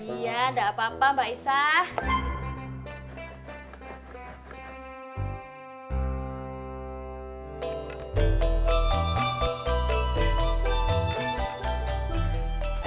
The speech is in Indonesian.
iya gak apa apa mbak isah